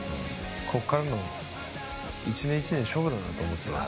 ここからの１年１年勝負だなと思ってます。